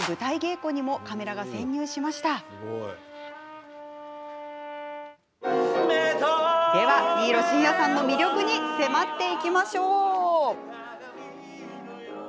「目と目は」では、新納慎也さんの魅力に迫っていきます。